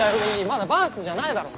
まだバーンスじゃないだろ！